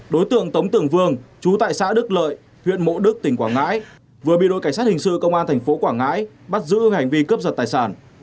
đối tượng tống tưởng vương chú tại xã đức lợi huyện mộ đức tỉnh quảng ngãi vừa bị đội cảnh sát hình sự công an thành phố quảng ngãi bắt giữ hành vi cướp giật tài sản